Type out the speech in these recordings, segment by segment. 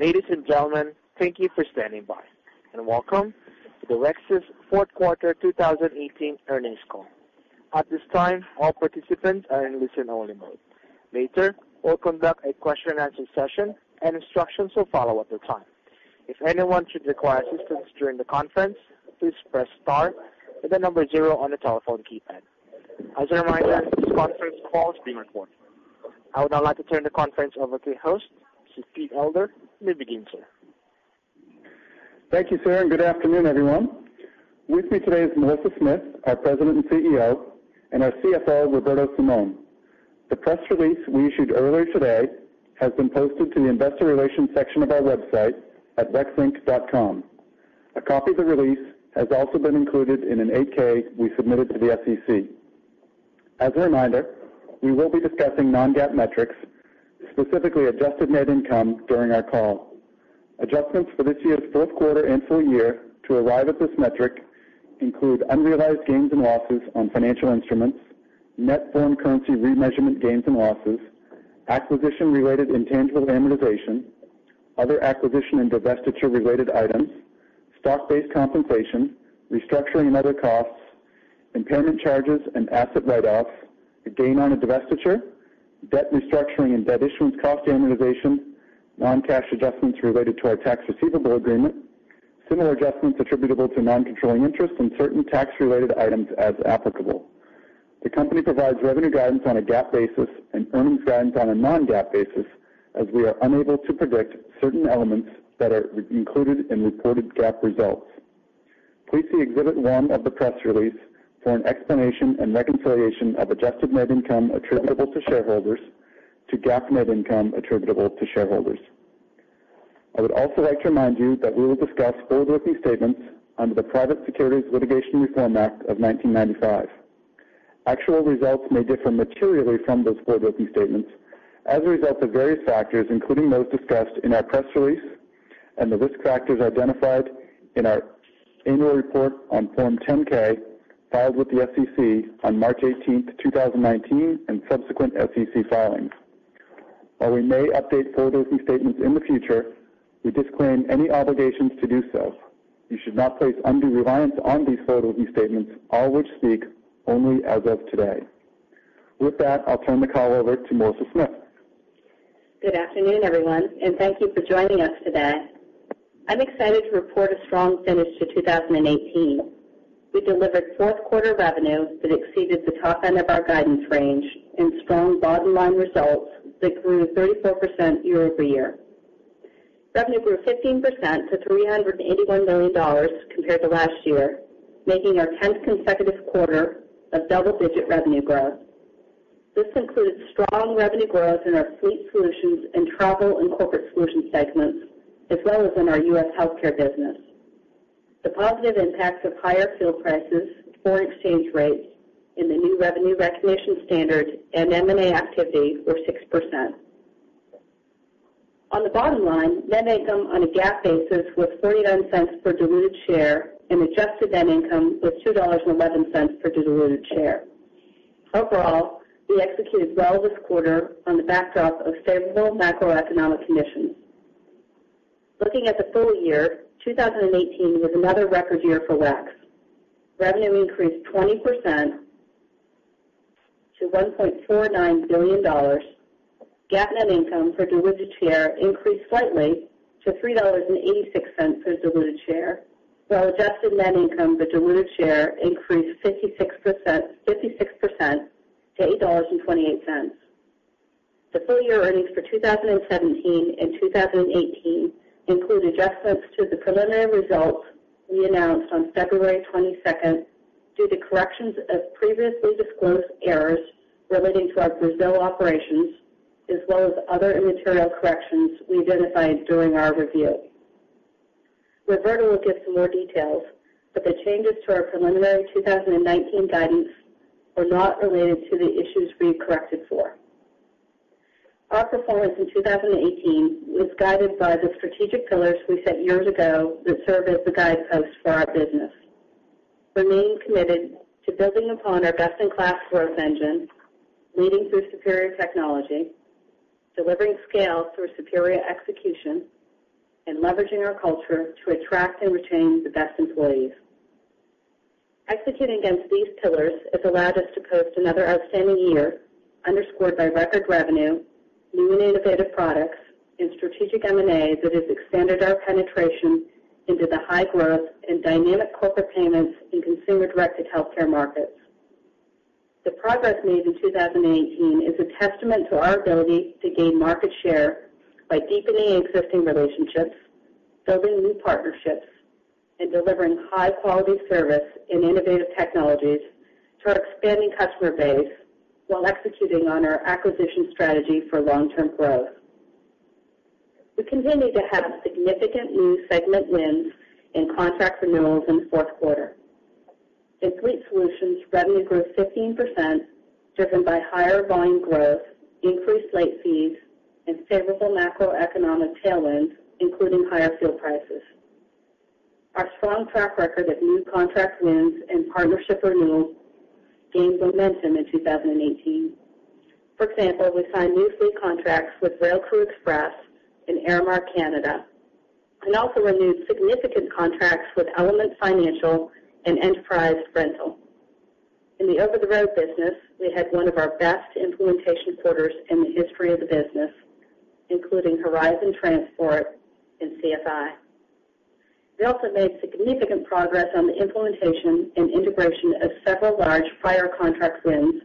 Ladies and gentlemen, thank you for standing by, and welcome to the WEX's fourth quarter 2018 earnings call. At this time, all participants are in listen-only mode. Later, we'll conduct a question-and-answer session, and instructions will follow at the time. If anyone should require assistance during the conference, please press star, then the number 0 on the telephone keypad. As a reminder, this conference call is being recorded. I would now like to turn the conference over to your host, Mr. Steve Elder. You may begin, sir. Thank you, sir, and good afternoon, everyone. With me today is Melissa Smith, our President and CEO, and our CFO, Roberto Simon. The press release we issued earlier today has been posted to the investor relations section of our website at wexinc.com. A copy of the release has also been included in an 8-K we submitted to the SEC. As a reminder, we will be discussing non-GAAP metrics, specifically adjusted net income during our call. Adjustments for this year's fourth quarter and full year to arrive at this metric include unrealized gains and losses on financial instruments, net foreign currency remeasurement gains and losses, acquisition-related intangible amortization, other acquisition and divestiture-related items, stock-based compensation, restructuring and other costs, impairment charges and asset write-offs, a gain on a divestiture, debt restructuring and debt issuance cost amortization, non-cash adjustments related to our tax receivable agreement, similar adjustments attributable to non-controlling interests and certain tax-related items as applicable. The company provides revenue guidance on a GAAP basis and earnings guidance on a non-GAAP basis, as we are unable to predict certain elements that are included in reported GAAP results. Please see Exhibit one of the press release for an explanation and reconciliation of adjusted net income attributable to shareholders to GAAP net income attributable to shareholders. I would also like to remind you that we will discuss forward-looking statements under the Private Securities Litigation Reform Act of 1995. Actual results may differ materially from those forward-looking statements as a result of various factors, including those discussed in our press release and the risk factors identified in our annual report on Form 10-K filed with the SEC on March 18th, 2019, and subsequent SEC filings. While we may update forward-looking statements in the future, we disclaim any obligations to do so. You should not place undue reliance on these forward-looking statements, all which speak only as of today. With that, I'll turn the call over to Melissa Smith. Good afternoon, everyone, and thank you for joining us today. I'm excited to report a strong finish to 2018. We delivered fourth quarter revenue that exceeded the top end of our guidance range and strong bottom-line results that grew 34% year-over-year. Revenue grew 15% to $381 million compared to last year, making our 10th consecutive quarter of double-digit revenue growth. This includes strong revenue growth in our Fleet Solutions and Travel and Corporate Solutions segments, as well as in our U.S. Healthcare business. The positive impacts of higher fuel prices, foreign exchange rates, and the new revenue recognition standard and M&A activity were 6%. On the bottom line, net income on a GAAP basis was $0.49 per diluted share, and adjusted net income was $2.11 per diluted share. Overall, we executed well this quarter on the backdrop of favorable macroeconomic conditions. Looking at the full year, 2018 was another record year for WEX. Revenue increased 20% to $1.49 billion. GAAP net income per diluted share increased slightly to $3.86 per diluted share, while adjusted net income per diluted share increased 56% to $8.28. The full year earnings for 2017 and 2018 include adjustments to the preliminary results we announced on February 22nd due to corrections of previously disclosed errors relating to our Brazil operations as well as other immaterial corrections we identified during our review. Roberto will give some more details, but the changes to our preliminary 2019 guidance were not related to the issues we corrected for. Our performance in 2018 was guided by the strategic pillars we set years ago that serve as the guideposts for our business. Remaining committed to building upon our best-in-class growth engine, leading through superior technology, delivering scale through superior execution, and leveraging our culture to attract and retain the best employees. Executing against these pillars has allowed us to post another outstanding year underscored by record revenue, new and innovative products, and strategic M&A that has expanded our penetration into the high-growth and dynamic corporate payments and consumer-directed healthcare markets. The progress made in 2018 is a testament to our ability to gain market share by deepening existing relationships, building new partnerships, and delivering high-quality service and innovative technologies to our expanding customer base while executing on our acquisition strategy for long-term growth. We continue to have significant new segment wins and contract renewals in the fourth quarter. In Fleet Solutions, revenue grew 15%, driven by higher volume growth, increased late fees, and favorable macroeconomic tailwinds, including higher fuel prices. Our strong track record of new contract wins and partnership renewals gained momentum in 2018. For example, we signed new fleet contracts with Railcrew Xpress and Aramark Canada, and also renewed significant contracts with Element Financial and Enterprise Rental. In the over-the-road business, we had one of our best implementation quarters in the history of the business, including Horizon Transport and CFI. We also made significant progress on the implementation and integration of several large prior contract wins,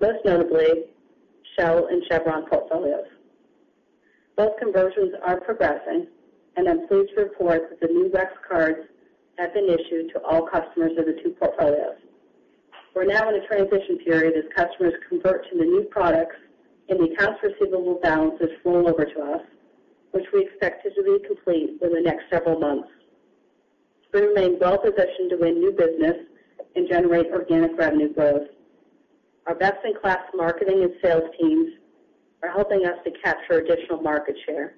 most notably Shell and Chevron portfolios. Both conversions are progressing, and I'm pleased to report that the new WEX cards have been issued to all customers of the two portfolios. We're now in a transition period as customers convert to the new products and the accounts receivable balances flow over to us, which we expect to be complete within the next several months. We remain well positioned to win new business and generate organic revenue growth. Our best-in-class marketing and sales teams are helping us to capture additional market share.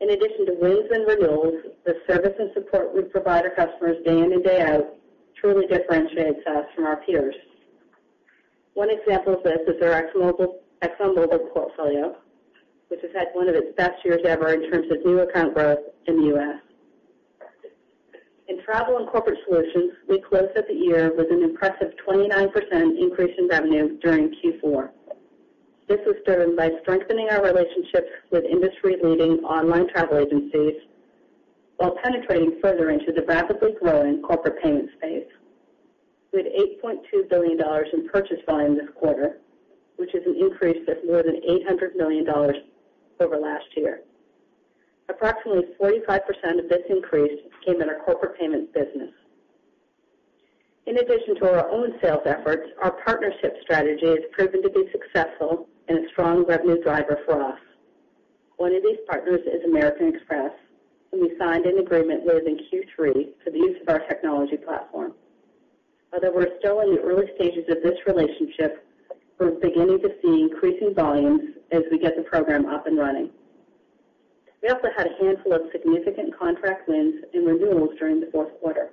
In addition to wins and renewals, the service and support we provide our customers day in and day out truly differentiates us from our peers. One example of this is our ExxonMobil portfolio, which has had one of its best years ever in terms of new account growth in the U.S. In Travel and Corporate Solutions, we closed out the year with an impressive 29% increase in revenue during Q4. This was driven by strengthening our relationships with industry-leading online travel agencies while penetrating further into the rapidly growing corporate payment space. We had $8.2 billion in purchase volume this quarter, which is an increase of more than $800 million over last year. Approximately 45% of this increase came in our corporate payments business. In addition to our own sales efforts, our partnership strategy has proven to be successful and a strong revenue driver for us. One of these partners is American Express, whom we signed an agreement with in Q3 for the use of our technology platform. Although we're still in the early stages of this relationship, we're beginning to see increasing volumes as we get the program up and running. We also had a handful of significant contract wins and renewals during the fourth quarter.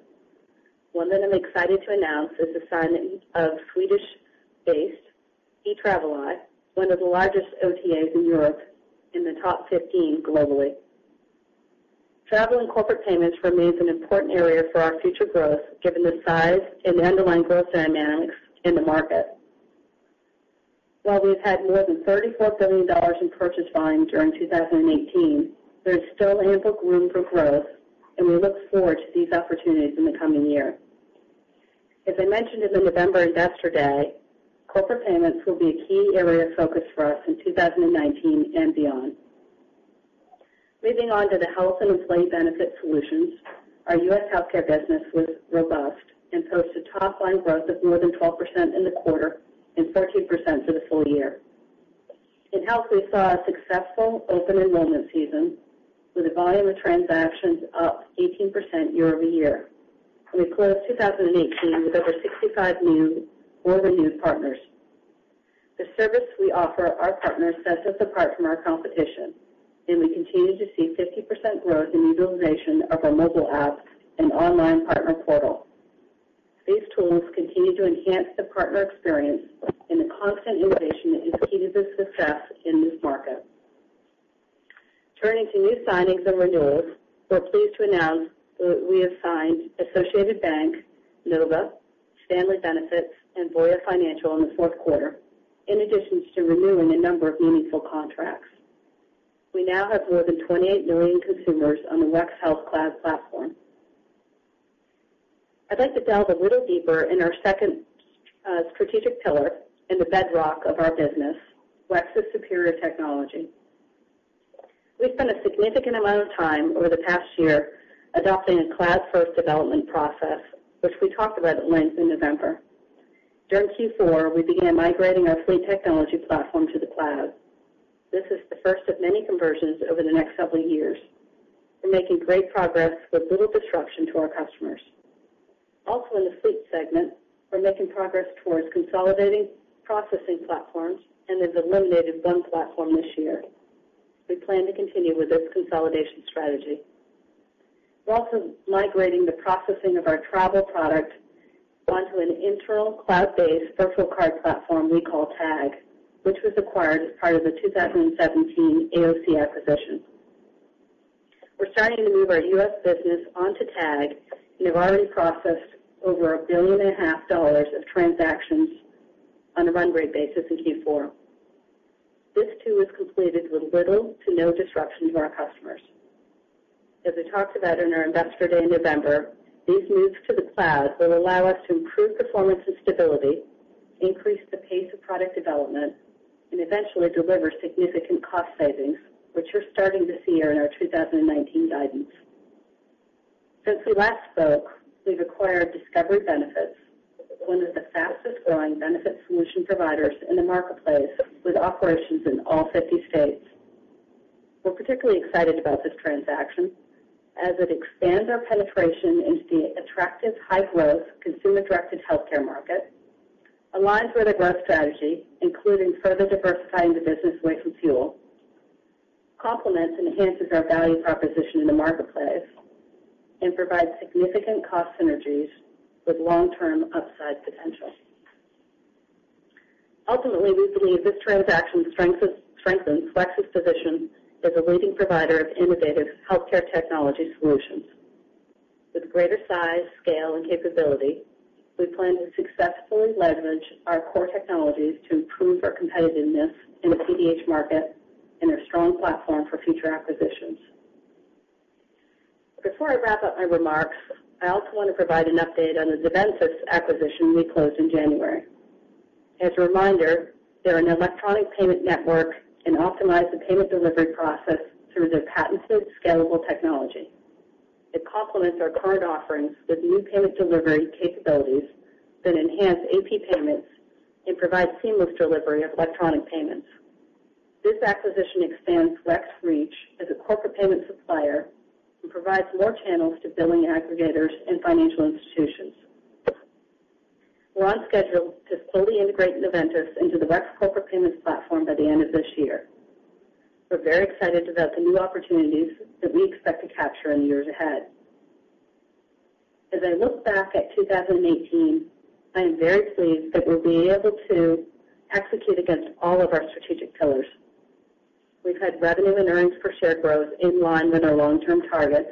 One that I'm excited to announce is the signing of Swedish-based Etraveli, one of the largest OTAs in Europe, in the top 15 globally. Travel and Corporate Solutions remains an important area for our future growth given the size and underlying growth dynamics in the market. While we've had more than $34 billion in purchase volume during 2018, there's still ample room for growth, and we look forward to these opportunities in the coming year. As I mentioned in the November Investor Day, corporate payments will be a key area of focus for us in 2019 and beyond. Moving on to the Health and Employee Benefit Solutions. Our U.S. healthcare business was robust and posted top-line growth of more than 12% in the quarter and 13% for the full year. In health, we saw a successful open enrollment season with a volume of transactions up 18% year-over-year, and we closed 2018 with over 65 new or renewed partners. The service we offer our partners sets us apart from our competition, and we continue to see 50% growth in the utilization of our mobile app and online partner portal. These tools continue to enhance the partner experience, and the constant innovation is key to the success in this market. Turning to new signings and renewals, we're pleased to announce that we have signed Associated Bank, Nova, Stanley Benefits, and Boyu Financial in the fourth quarter, in addition to renewing a number of meaningful contracts. We now have more than 28 million consumers on the WEX Health Cloud platform. I'd like to delve a little deeper in our second strategic pillar and the bedrock of our business, WEX's superior technology. We've spent a significant amount of time over the past year adopting a cloud-first development process, which we talked about at length in November. During Q4, we began migrating our fleet technology platform to the cloud. This is the first of many conversions over the next several years. We're making great progress with little disruption to our customers. Also in the Fleet Solutions segment, we're making progress towards consolidating processing platforms and have eliminated one platform this year. We plan to continue with this consolidation strategy. We're also migrating the processing of our travel product onto an internal cloud-based virtual card platform we call TAG, which was acquired as part of the 2017 AOC acquisition. We're starting to move our U.S. business onto TAG and have already processed over a billion and a half dollars of transactions on a run rate basis in Q4. This too was completed with little to no disruption to our customers. As we talked about in our Investor Day in November, these moves to the cloud will allow us to improve performance and stability, increase the pace of product development, and eventually deliver significant cost savings, which you're starting to see in our 2019 guidance. Since we last spoke, we've acquired Discovery Benefits, one of the fastest growing benefit solution providers in the marketplace, with operations in all 50 states. We're particularly excited about this transaction as it expands our penetration into the attractive high growth consumer-directed healthcare market, aligns with our growth strategy, including further diversifying the business away from fuel complements and enhances our value proposition in the marketplace and provides significant cost synergies with long-term upside potential. Ultimately, we believe this transaction strengthens WEX's position as a leading provider of innovative healthcare technology solutions. With greater size, scale, and capability, we plan to successfully leverage our core technologies to improve our competitiveness in the CDH market and a strong platform for future acquisitions. Before I wrap up my remarks, I also want to provide an update on the Noventis acquisition we closed in January. As a reminder, they're an electronic payment network and optimize the payment delivery process through their patented scalable technology. It complements our current offerings with new payment delivery capabilities that enhance AP payments and provide seamless delivery of electronic payments. This acquisition expands WEX reach as a corporate payment supplier and provides more channels to billing aggregators and financial institutions. We're on schedule to fully integrate Noventis into the WEX corporate payments platform by the end of this year. We're very excited about the new opportunities that we expect to capture in the years ahead. As I look back at 2018, I am very pleased that we'll be able to execute against all of our strategic pillars. We've had revenue and earnings per share growth in line with our long-term targets.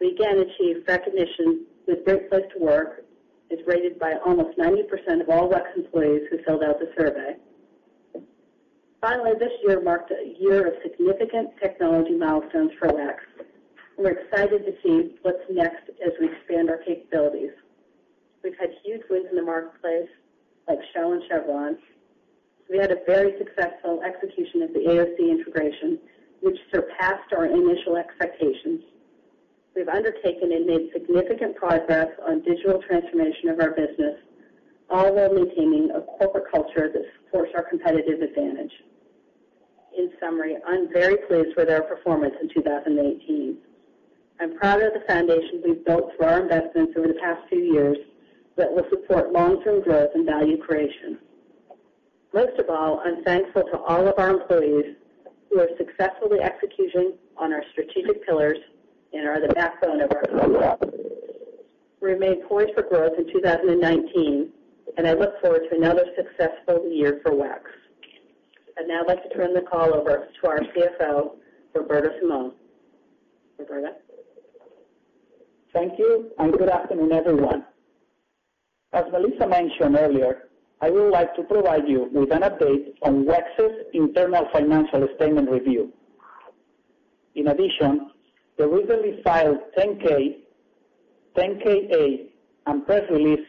We again achieved recognition with Great Place To Work, as rated by almost 90% of all WEX employees who filled out the survey. Finally, this year marked a year of significant technology milestones for WEX. We're excited to see what's next as we expand our capabilities. We've had huge wins in the marketplace like Shell and Chevron. We had a very successful execution of the AOC integration, which surpassed our initial expectations. We've undertaken and made significant progress on digital transformation of our business, all while maintaining a corporate culture that supports our competitive advantage. In summary, I'm very pleased with our performance in 2018. I'm proud of the foundation we've built through our investments over the past few years that will support long-term growth and value creation. Most of all, I'm thankful to all of our employees who are successfully executing on our strategic pillars and are the backbone of our company. We remain poised for growth in 2019, and I look forward to another successful year for WEX. I'd now like to turn the call over to our CFO, Roberto Simon. Roberto? Thank you. Good afternoon, everyone. As Melissa mentioned earlier, I would like to provide you with an update on WEX's internal financial statement review. In addition, the recently filed 10-K, 8-K, and press release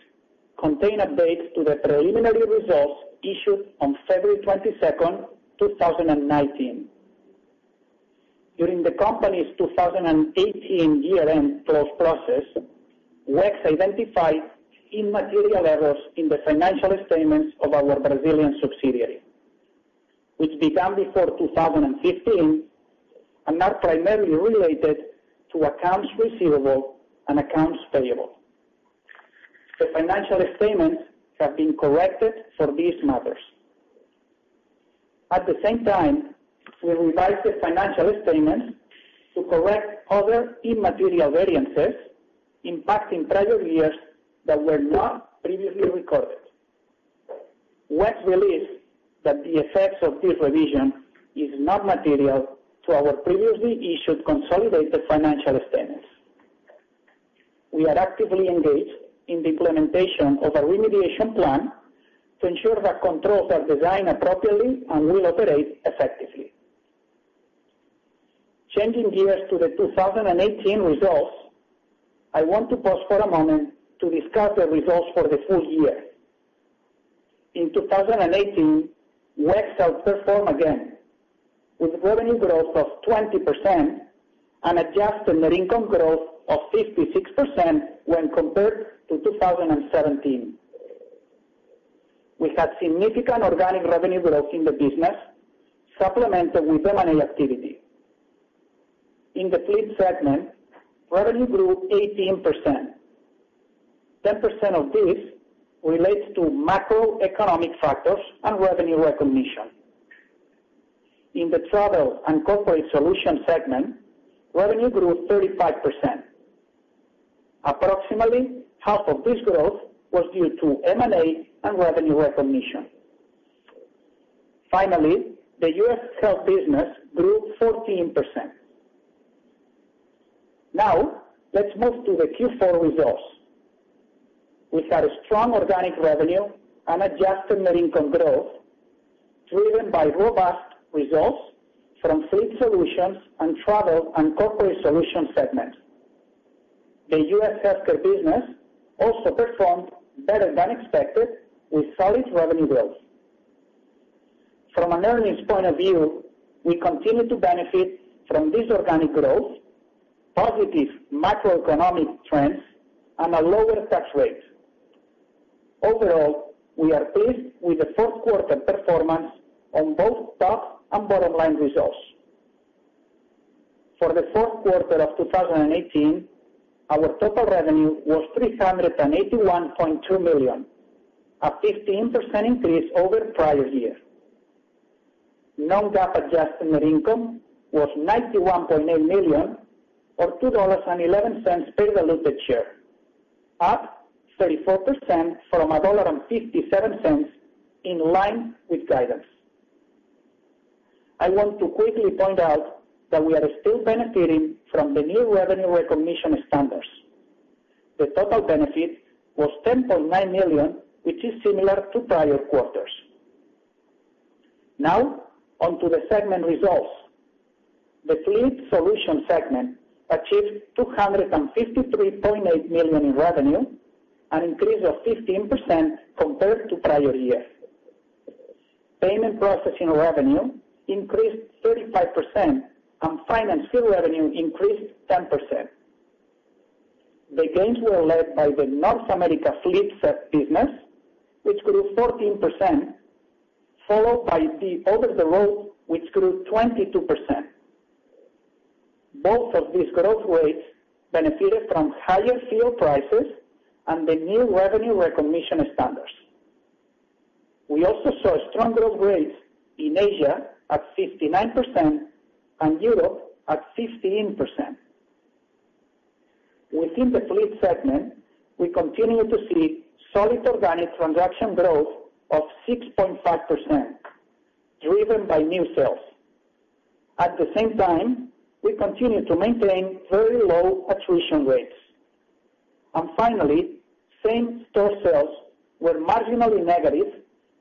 contain updates to the preliminary results issued on February 22nd, 2019. During the company's 2018 year-end close process, WEX identified immaterial errors in the financial statements of our Brazilian subsidiary, which began before 2015 and are primarily related to accounts receivable and accounts payable. The financial statements have been corrected for these matters. At the same time, we revised the financial statements to correct other immaterial variances impacting prior years that were not previously recorded. WEX believes that the effects of this revision is not material to our previously issued consolidated financial statements. We are actively engaged in the implementation of a remediation plan to ensure that controls are designed appropriately and will operate effectively. Changing gears to the 2018 results, I want to pause for a moment to discuss the results for the full year. In 2018, WEX outperformed again with revenue growth of 20% and adjusted net income growth of 56% when compared to 2017. We had significant organic revenue growth in the business, supplemented with M&A activity. In the fleet segment, revenue grew 18%. 10% of this relates to macroeconomic factors and revenue recognition. In the travel and corporate solution segment, revenue grew 35%. Approximately half of this growth was due to M&A and revenue recognition. Finally, the U.S. health business grew 14%. Now, let's move to the Q4 results, which had a strong organic revenue and adjusted net income growth driven by robust results from Fleet Solutions and Travel and Corporate Solutions segments. The U.S. healthcare business also performed better than expected with solid revenue growth. From an earnings point of view, we continue to benefit from this organic growth, positive macroeconomic trends, and a lower tax rate. Overall, we are pleased with the fourth quarter performance on both top and bottom-line results. For the fourth quarter of 2018, our total revenue was $381.2 million, a 15% increase over prior year. Non-GAAP adjusted net income was $91.8 million or $2.11 per diluted share, up 34% from $1.57, in line with guidance. I want to quickly point out that we are still benefiting from the new revenue recognition standards. The total benefit was $10.9 million, which is similar to prior quarters. On to the segment results. The Fleet Solutions segment achieved $253.8 million in revenue, an increase of 15% compared to prior year. Payment processing revenue increased 35%, and finance fee revenue increased 10%. The gains were led by the North America Fleet business, which grew 14%, followed by the over-the-road, which grew 22%. Both of these growth rates benefited from higher fuel prices and the new revenue recognition standards. We also saw strong growth rates in Asia at 59% and Europe at 15%. Within the Fleet segment, we continue to see solid organic transaction growth of 6.5%, driven by new sales. At the same time, we continue to maintain very low attrition rates. Finally, same-store sales were marginally negative,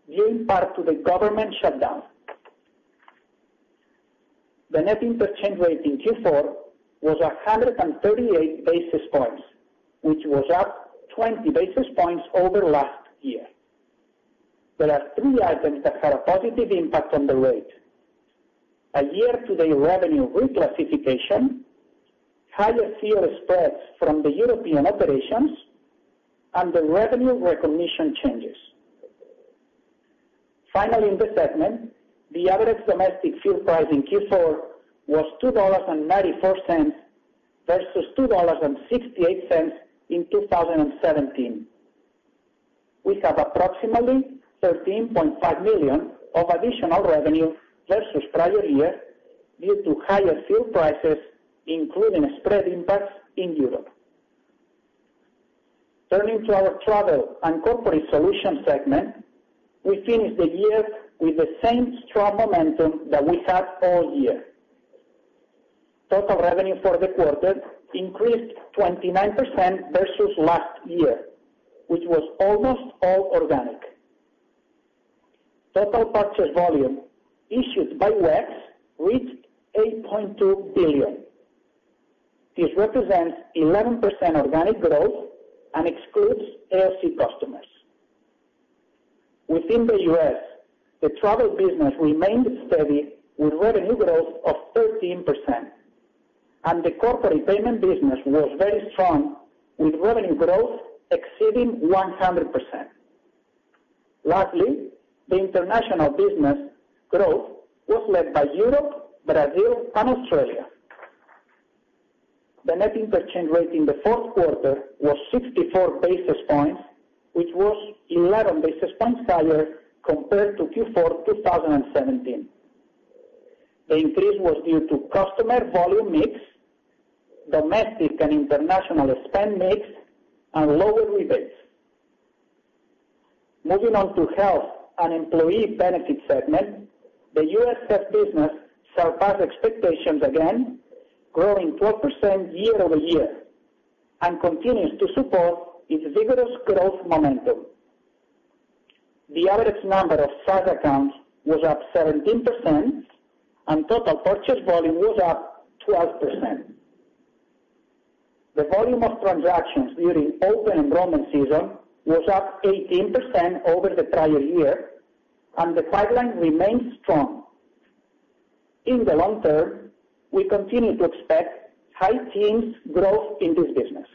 due in part to the government shutdown. The net interest exchange rate in Q4 was 138 basis points, which was up 20 basis points over last year. There are three items that had a positive impact on the rate. A year-to-date revenue reclassification, higher fuel spreads from the European operations, and the revenue recognition changes. Finally, in the segment, the average domestic fuel price in Q4 was $2.94 versus $2.68 in 2017. We have approximately $13.5 million of additional revenue versus prior year due to higher fuel prices, including spread impacts in Europe. Turning to our Travel and Corporate Solutions segment, we finished the year with the same strong momentum that we had all year. Total revenue for the quarter increased 29% versus last year, which was almost all organic. Total purchase volume issued by WEX reached $8.2 billion. This represents 11% organic growth and excludes AOC customers. Within the U.S., the travel business remained steady with revenue growth of 13%, and the corporate payment business was very strong with revenue growth exceeding 100%. Lastly, the international business growth was led by Europe, Brazil, and Australia. The net interest exchange rate in the fourth quarter was 64 basis points, which was 11 basis points higher compared to Q4 2017. The increase was due to customer volume mix, domestic and international spend mix, and lower rebates. Moving on to Health and Employee Benefit Solutions segment, the U.S. business surpassed expectations again, growing 12% year-over-year and continues to support its vigorous growth momentum. The average number of SaaS accounts was up 17%, and total purchase volume was up 12%. The volume of transactions during open enrollment season was up 18% over the prior year, and the pipeline remains strong. In the long term, we continue to expect high teens growth in this business.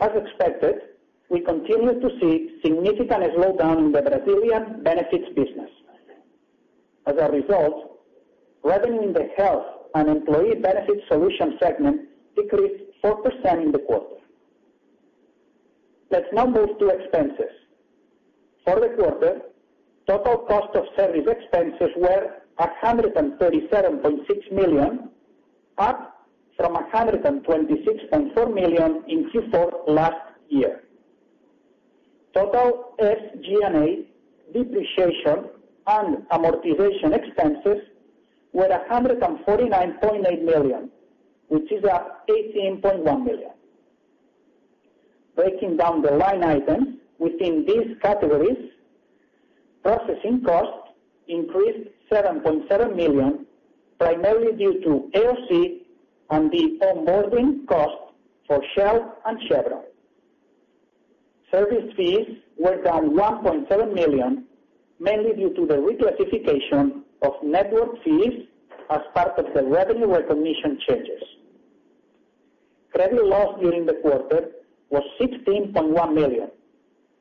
As expected, we continue to see significant slowdown in the Brazilian benefits business. As a result, revenue in the Health and Employee Benefit Solutions segment decreased 4% in the quarter. Let's now move to expenses. For the quarter, total cost of service expenses were $137.6 million, up from $126.4 million in Q4 last year. Total SG&A depreciation and amortization expenses were $149.8 million, which is up $18.1 million. Breaking down the line items within these categories, processing costs increased $7.7 million, primarily due to AOC on the onboarding cost for Shell and Chevron. Service fees were down $1.7 million, mainly due to the reclassification of network fees as part of the revenue recognition changes. Credit loss during the quarter was $16.1 million,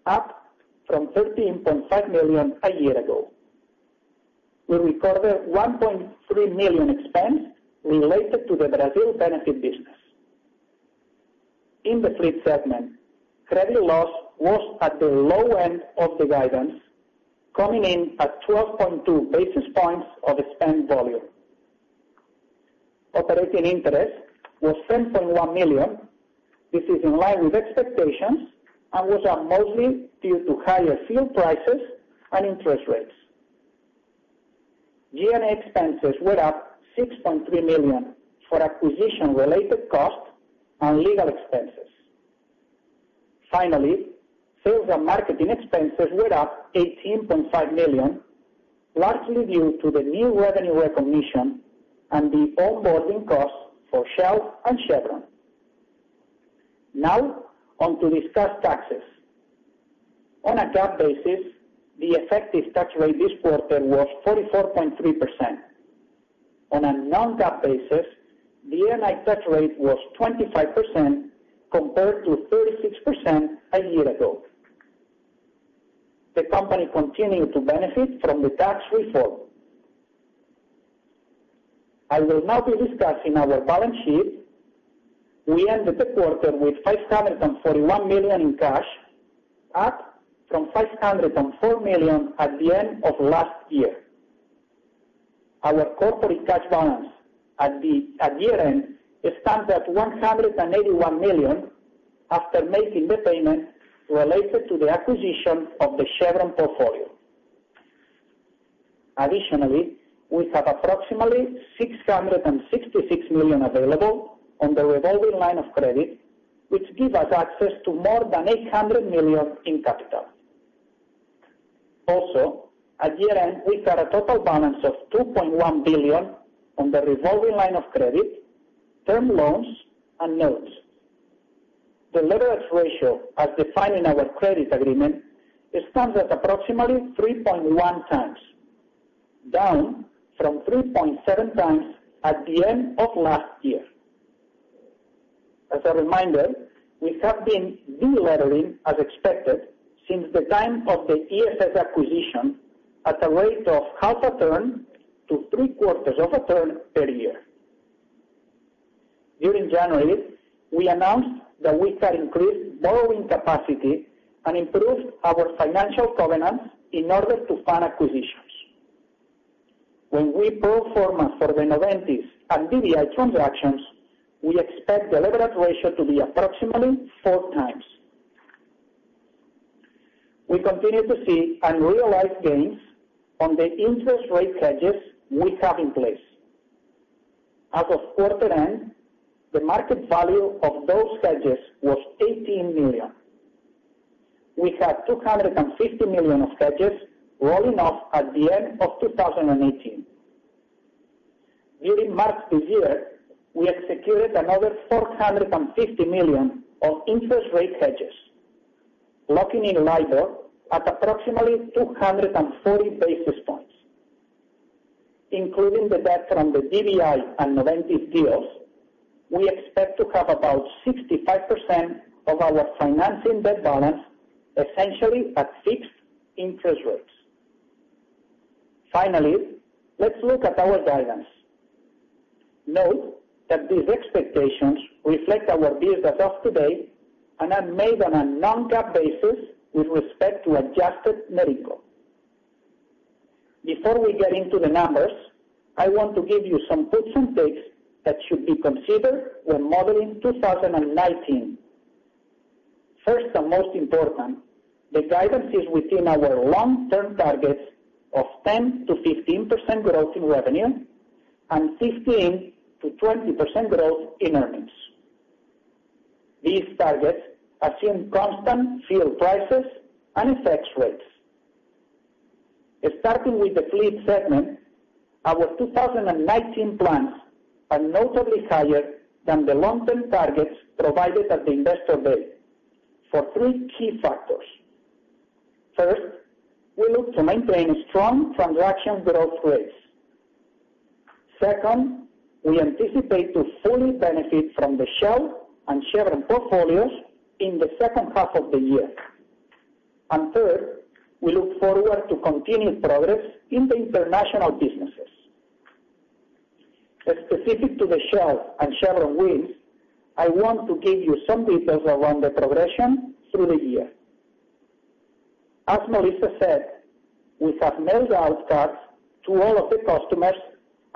up from $13.5 million a year ago. We recorded $1.3 million expense related to the Brazil benefit business. In the Fleet segment, credit loss was at the low end of the guidance, coming in at 12.2 basis points of expense volume. Operating interest was $10.1 million. This is in line with expectations and was up mostly due to higher fuel prices and interest rates. G&A expenses were up $6.3 million for acquisition-related costs and legal expenses. Sales and marketing expenses were up $18.5 million, largely due to the new revenue recognition and the onboarding costs for Shell and Chevron. Now on to discuss taxes. On a GAAP basis, the effective tax rate this quarter was 44.3%. On a non-GAAP basis, the ANI tax rate was 25% compared to 36% a year ago. The company continued to benefit from the tax reform. I will now be discussing our balance sheet. We ended the quarter with $541 million in cash, up from $504 million at the end of last year. Our corporate cash balance at the year-end stands at $181 million after making the payment related to the acquisition of the Chevron portfolio. We have approximately $666 million available on the revolving line of credit, which give us access to more than $800 million in capital. At year-end, we had a total balance of $2.1 billion on the revolving line of credit, term loans, and notes. The leverage ratio, as defined in our credit agreement, stands at approximately 3.1 times, down from 3.7 times at the end of last year. As a reminder, we have been deleveraging as expected since the time of the ESS acquisition at a rate of half a turn to three-quarters of a turn per year. During January, we announced that we had increased borrowing capacity and improved our financial covenants in order to fund acquisitions. When we pro forma for the Noventis and DBI transactions, we expect the leverage ratio to be approximately four times. We continue to see unrealized gains on the interest rate hedges we have in place. As of quarter end, the market value of those hedges was $18 million. We have $250 million of hedges rolling off at the end of 2018. During March this year, we executed another $450 million of interest rate hedges, locking in LIBOR at approximately 240 basis points. Including the debt from the DBI and Noventis deals, we expect to have about 65% of our financing debt balance essentially at fixed interest rates. Let's look at our guidance. Note that these expectations reflect our view as of today and are made on a non-GAAP basis with respect to adjusted net income. Before we get into the numbers, I want to give you some puts and takes that should be considered when modeling 2019. First and most important, the guidance is within our long-term targets of 10%-15% growth in revenue and 15%-20% growth in earnings. These targets assume constant fuel prices and FX rates. Starting with the Fleet Solutions segment, our 2019 plans are notably higher than the long-term targets provided at the investor day for three key factors. First, we look to maintain strong transaction growth rates. Second, we anticipate to fully benefit from the Shell and Chevron portfolios in the second half of the year. Third, we look forward to continued progress in the international businesses. Specific to the Shell and Chevron wins, I want to give you some details around the progression through the year. As Melissa said, we have mailed out cards to all of the customers,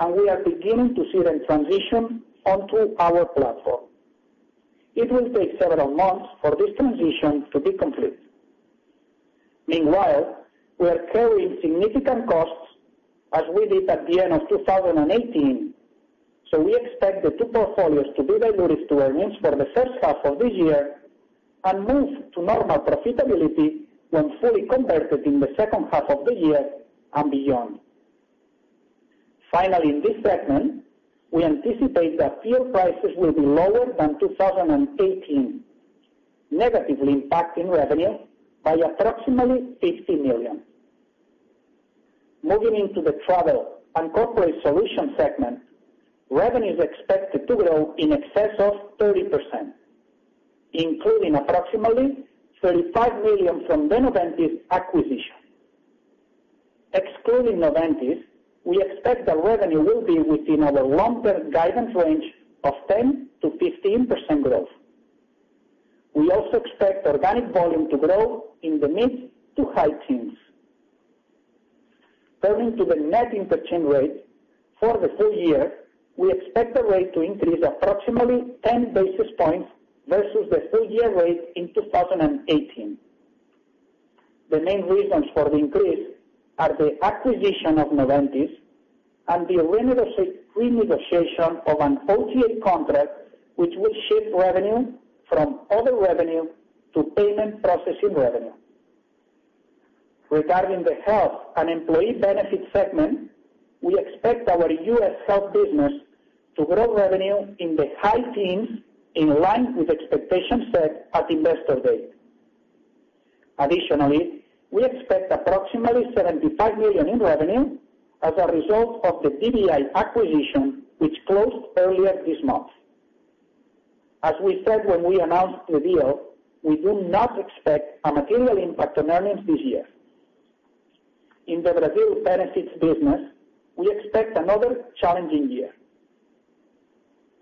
and we are beginning to see them transition onto our platform. It will take several months for this transition to be complete. Meanwhile, we are carrying significant costs as we did at the end of 2018. We expect the two portfolios to be dilutive to earnings for the first half of the year and move to normal profitability when fully converted in the second half of the year and beyond. Finally, in this segment, we anticipate that fuel prices will be lower than 2018, negatively impacting revenue by approximately $50 million. Moving into the Travel and Corporate Solutions segment, revenue is expected to grow in excess of 30%, including approximately $35 million from the Noventis acquisition. Excluding Noventis, we expect the revenue will be within our longer guidance range of 10%-15% growth. We also expect organic volume to grow in the mid- to high teens. Turning to the net interchange rate for the full year, we expect the rate to increase approximately 10 basis points versus the full-year rate in 2018. The main reasons for the increase are the acquisition of Noventis and the renegotiation of an OTA contract, which will shift revenue from other revenue to payment processing revenue. Regarding the Health and Employee Benefit Solutions segment, we expect our U.S. health business to grow revenue in the high teens, in line with expectations set at Investor Day. Additionally, we expect approximately $75 million in revenue as a result of the DBI acquisition, which closed earlier this month. As we said when we announced the deal, we do not expect a material impact on earnings this year. In the Brazil benefits business, we expect another challenging year.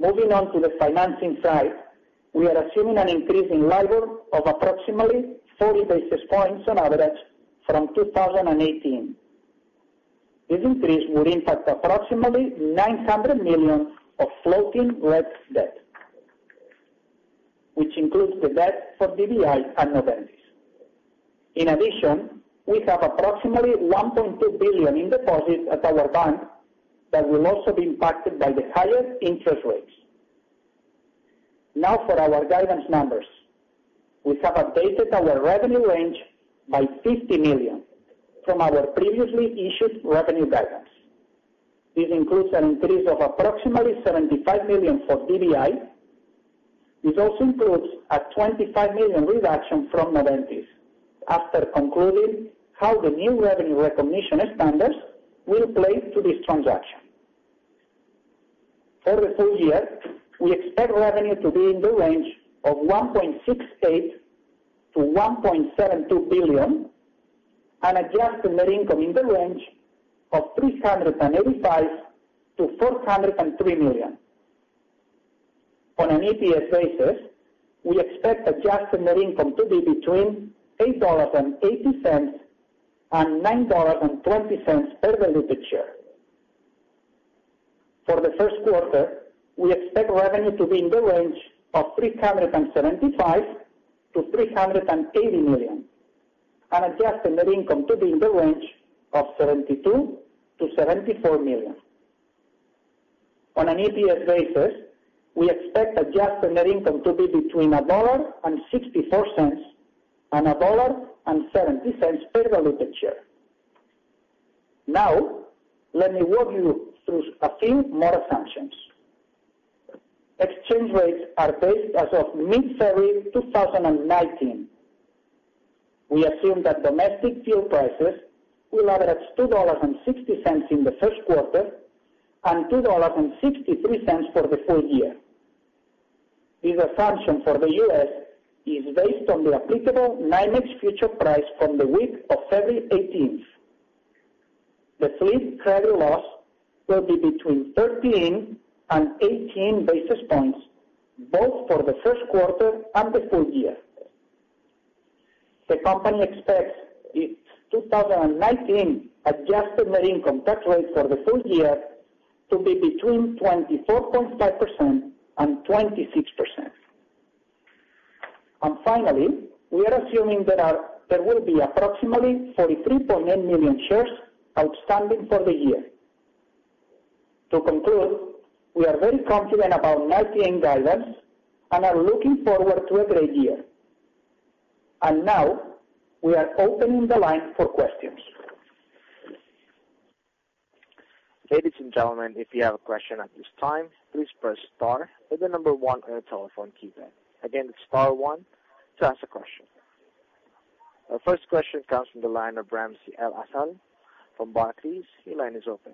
Moving on to the financing side, we are assuming an increase in LIBOR of approximately 40 basis points on average from 2018. This increase would impact approximately $900 million of floating rates debt, which includes the debt for DBI and Noventis. In addition, we have approximately $1.2 billion in deposits at our bank that will also be impacted by the higher interest rates. For our guidance numbers, we have updated our revenue range by $50 million from our previously issued revenue guidance. This includes an increase of approximately $75 million for DBI. This also includes a $25 million reduction from Noventis after concluding how the new revenue recognition standards will play to this transaction. For the full year, we expect revenue to be in the range of $1.68 billion-$1.72 billion and adjusted net income in the range of $385 million-$403 million. On an EPS basis, we expect adjusted net income to be between $8.80 and $9.20 per diluted share. For the first quarter, we expect revenue to be in the range of $375 million-$380 million and adjusted net income to be in the range of $72 million-$74 million. On an EPS basis, we expect adjusted net income to be between $1.64 and $1.70 per diluted share. Let me walk you through a few more assumptions. Exchange rates are based as of mid-February 2019. We assume that domestic fuel prices will average $2.60 in the first quarter and $2.63 for the full year. This assumption for the U.S. is based on the applicable nine-month future price from the week of February 18th. The Fleet Solutions credit loss will be between 13 and 18 basis points, both for the first quarter and the full year. The company expects its 2019 adjusted net income tax rate for the full year to be between 24.5% and 26%. Finally, we are assuming there will be approximately 43.8 million shares outstanding for the year. To conclude, we are very confident about 2019 guidance and are looking forward to a great year. Now we are opening the line for questions. Ladies and gentlemen, if you have a question at this time, please press star then the number one on your telephone keypad. Again, it's star one to ask a question. Our first question comes from the line of Ramsey El-Assal from Barclays. Your line is open.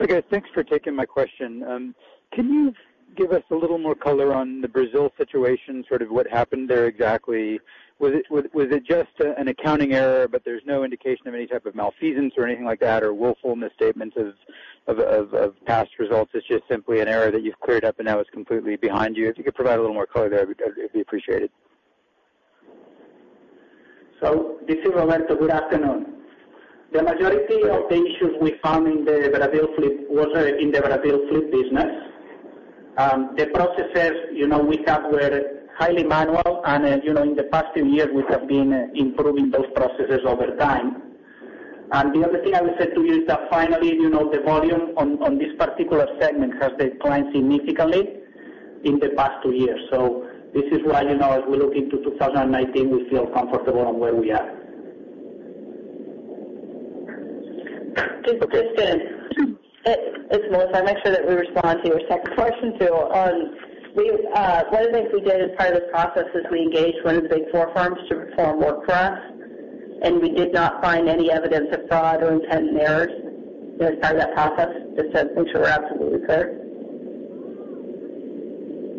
Okay. Thanks for taking my question. Can you give us a little more color on the Brazil situation, sort of what happened there exactly? Was it just an accounting error, but there's no indication of any type of malfeasance or anything like that, or willful misstatements of past results? It's just simply an error that you've cleared up and now is completely behind you. If you could provide a little more color there, it'd be appreciated. This is Roberto. Good afternoon. The majority of the issues we found in the Brazil fleet was in the Brazil fleet business. The processes we have were highly manual, and in the past two years, we have been improving those processes over time. The other thing I would say to you is that finally, the volume on this particular segment has declined significantly in the past two years. This is why as we look into 2019, we feel comfortable on where we are. Just a second. It's Melissa. I make sure that we respond to your second question, too. One of the things we did as part of this process is we engaged one of the big four firms to perform work for us, and we did not find any evidence of fraud or intent to misstate as part of that process. It says things were absolutely fair.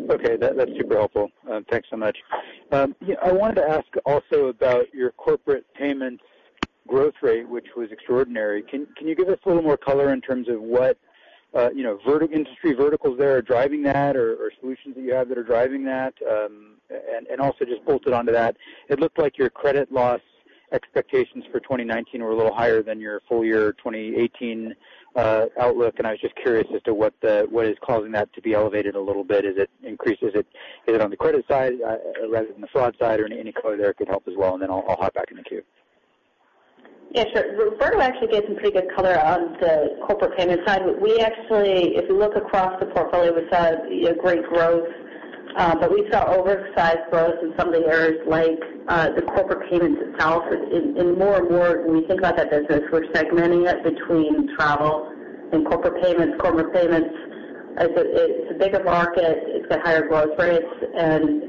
Okay. That's super helpful. Thanks so much. I wanted to ask also about your corporate payments growth rate, which was extraordinary. Can you give us a little more color in terms of what industry verticals there are driving that or solutions that you have that are driving that? Also just bolted onto that, it looked like your credit loss expectations for 2019 were a little higher than your full year 2018 outlook, and I was just curious as to what is causing that to be elevated a little bit. Is it on the credit side rather than the fraud side or any color there could help as well, and then I'll hop back in the queue. Yeah, sure. Roberto actually gave some pretty good color on the corporate payment side. If we look across the portfolio, we saw great growth, but we saw oversized growth in some of the areas like the corporate payments itself. More and more when we think about that business, we're segmenting it between travel and corporate payments. Corporate payments, it's a bigger market. It's got higher growth rates, and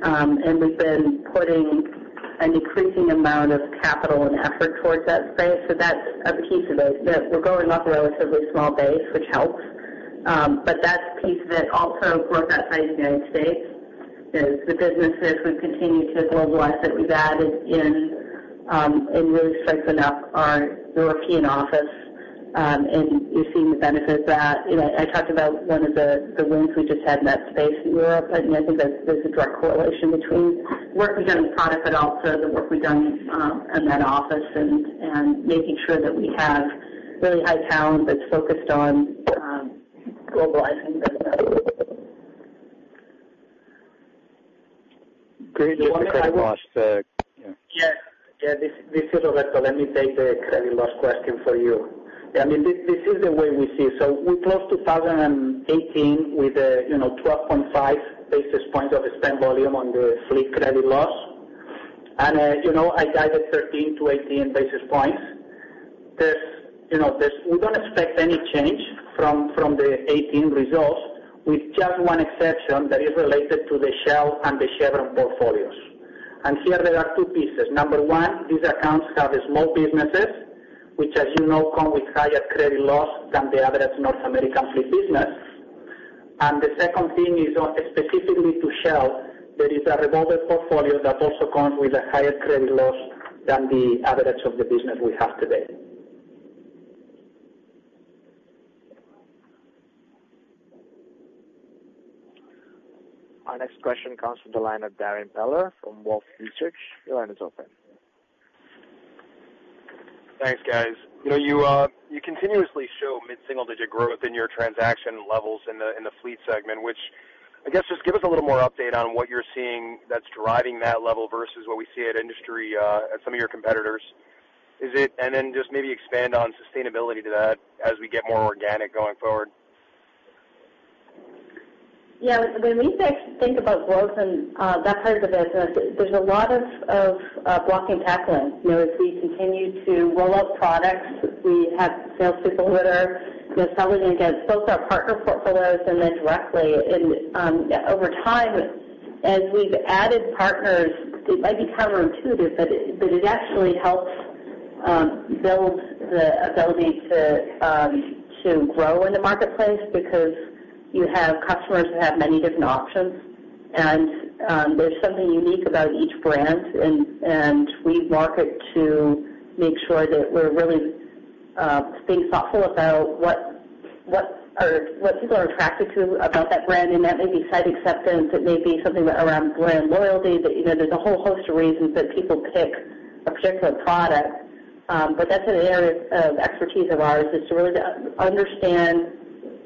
we've been putting a decreasing amount of capital and effort towards that space. That's a piece of it, that we're going off a relatively small base, which helps. That's a piece of it also growth outside the United States. The businesses we've continued to globalize, that we've added in and really strengthen up our European office, and we've seen the benefit of that. I talked about one of the wins we just had in that space in Europe, and I think there's a direct correlation between work we've done with product but also the work we've done in that office and making sure that we have really high talent that's focused on globalizing the business. Great. Just the credit loss. Yes. This is Roberto. Let me take the credit loss question for you. This is the way we see it. We closed 2018 with a 12.5 basis points of the spend volume on the fleet credit loss. I guided 13 to 18 basis points. We don't expect any change from the 2018 results, with just one exception that is related to the Shell and the Chevron portfolios. Here there are two pieces. Number 1, these accounts have small businesses, which as you know come with higher credit loss than the average North American fleet business. The second thing is specifically to Shell. There is a revolver portfolio that also comes with a higher credit loss than the average of the business we have today. Our next question comes from the line of Darrin Peller from Wolfe Research. Your line is open. Thanks, guys. You continuously show mid-single digit growth in your transaction levels in the fleet segment, which I guess just give us a little more update on what you're seeing that's driving that level versus what we see at industry at some of your competitors. Just maybe expand on sustainability to that as we get more organic going forward. Yeah. When we think about growth in that part of the business, there's a lot of blocking and tackling. As we continue to roll out products, we have sales people that are selling against both our partner portfolios and then directly. Over time, as we've added partners, it might be counterintuitive, but it actually helps build the ability to grow in the marketplace because you have customers that have many different options. There's something unique about each brand, and we market to make sure that we're really being thoughtful about what people are attracted to about that brand. That may be site acceptance, it may be something around brand loyalty, but there's a whole host of reasons that people pick a particular product. That's an area of expertise of ours, is to really understand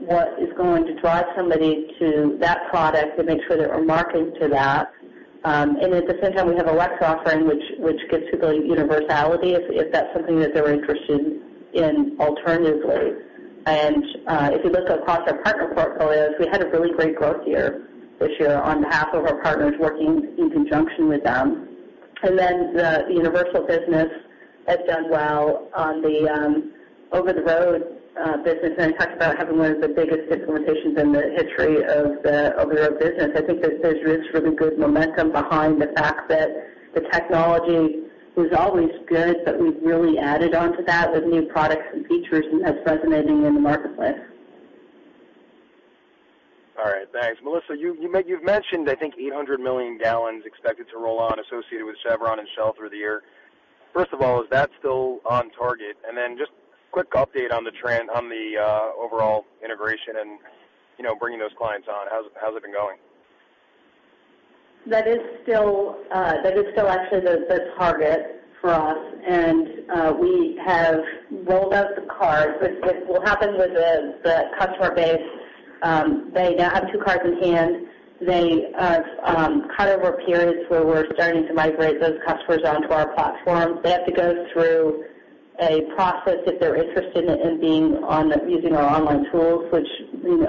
what is going to drive somebody to that product and make sure that we're marketing to that. At the same time, we have a WEX offering which gives people universality, if that's something that they're interested in alternatively. If you look across our partner portfolios, we had a really great growth year this year on behalf of our partners working in conjunction with them. Then the universal business has done well on the over-the-road business. I talked about having one of the biggest implementations in the history of the over-the-road business. I think that there's really good momentum behind the fact that the technology was always good, but we've really added onto that with new products and features, and that's resonating in the marketplace. All right. Thanks, Melissa. You've mentioned I think 800 million gallons expected to roll on associated with Chevron and Shell through the year. First of all, is that still on target? Then just quick update on the overall integration and bringing those clients on. How's it been going? That is still actually the target for us, we have rolled out the card. What happened with the customer base, they now have two cards in hand. They have cut over periods where we're starting to migrate those customers onto our platform. They have to go through a process if they're interested in using our online tools, which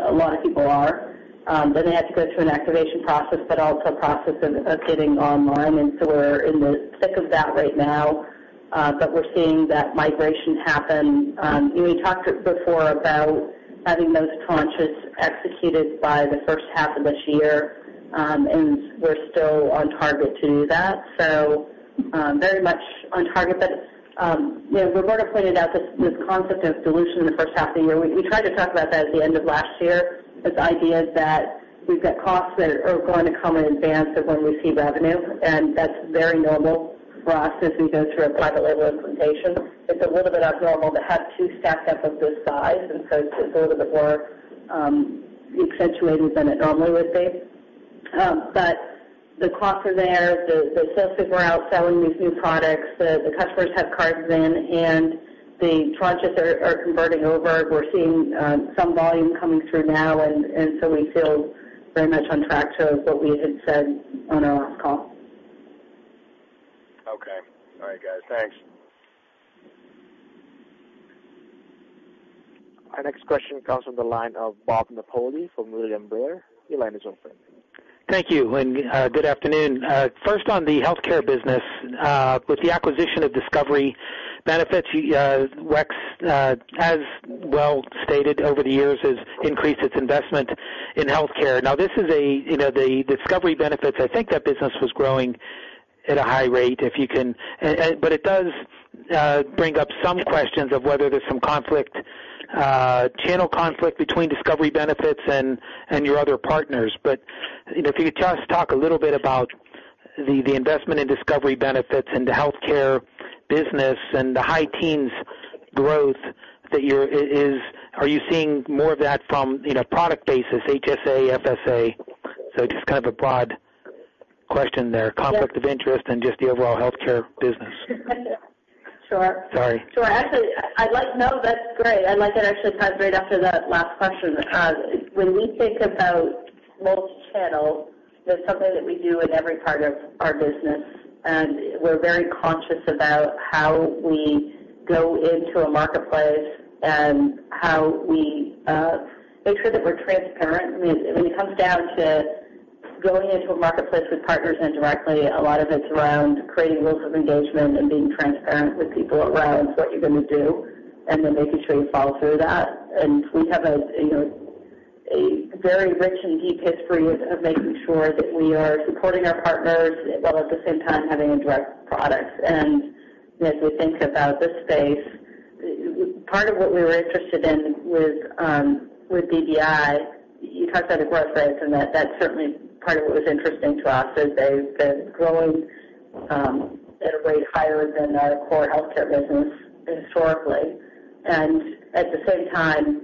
a lot of people are. They have to go through an activation process, but also a process of getting online. We're in the thick of that right now, but we're seeing that migration happen. We talked before about having those tranches executed by the first half of this year, we're still on target to do that. Very much on target. Roberto pointed out this concept of dilution in the first half of the year. We tried to talk about that at the end of last year, this idea that we've got costs that are going to come in advance of when we see revenue, and that's very normal for us as we go through a private label implementation. It's a little bit abnormal to have two stacked up of this size, and so it's a little bit more accentuated than it normally would be. The costs are there. The sales people are out selling these new products. The customers have cards in, and the tranches are converting over. We're seeing some volume coming through now, and so we feel very much on track to what we had said on our last call. Okay. All right, guys. Thanks. Our next question comes from the line of Bob Napoli from William Blair. Your line is open. Thank you, and good afternoon. First, on the healthcare business. With the acquisition of Discovery Benefits, WEX, as well stated over the years, has increased its investment in healthcare. Now, Discovery Benefits, I think that business was growing at a high rate. It does bring up some questions of whether there's some channel conflict between Discovery Benefits and your other partners. If you could just talk a little bit about the investment in Discovery Benefits and the healthcare business and the high teens growth. Are you seeing more of that from product basis, HSA, FSA? Just kind of a broad question there, conflict of interest and just the overall healthcare business. Sure. Sorry. Sure. No, that's great. I like that I actually tied right after that last question. When we think about multi-channel, that's something that we do in every part of our business, and we're very conscious about how we go into a marketplace and how we make sure that we're transparent. When it comes down to going into a marketplace with partners indirectly, a lot of it's around creating rules of engagement and being transparent with people around what you're going to do and then making sure you follow through that. We have a very rich and deep history of making sure that we are supporting our partners while at the same time having a direct product. As we think about this space, part of what we were interested in with DBI, you talked about the growth rates, and that's certainly part of what was interesting to us, is they've been growing at a rate higher than our core healthcare business historically. At the same time,